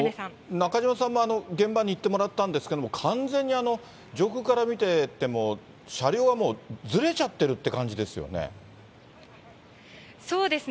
中島さんも現場に行ってもらったんですけれども、完全に上空から見てても、車両はもうずれちゃってるっていう感じですよね。